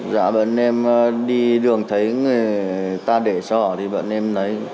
dạ bọn em đi đường thấy người ta để cho họ thì bọn em lấy